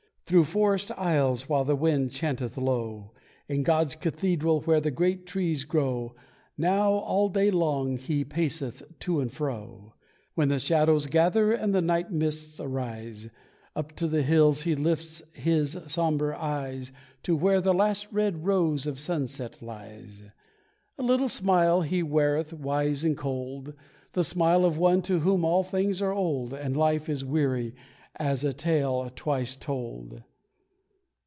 Through forest aisles while the wind chanteth low In God's cathedral where the great trees grow, Now all day long he paceth to and fro. When shadows gather and the night mists rise, Up to the hills he lifts his sombre eyes To where the last red rose of sunset lies. A little smile he weareth, wise and cold, The smile of one to whom all things are old, And life is weary, as a tale twice told.